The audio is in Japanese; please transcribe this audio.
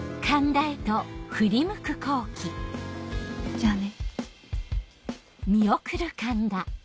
じゃあね。